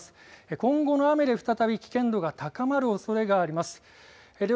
今後の雨で再び危険度が高まるおそれがあります。